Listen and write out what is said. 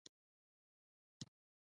د کاناډا په شمال کې ښکار عام و.